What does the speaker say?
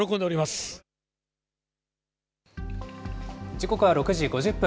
時刻は６時５０分。